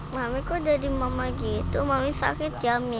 mami kok jadi mama gitu mami sakit ya mi